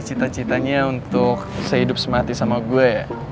ceritanya untuk sehidup semati sama gue ya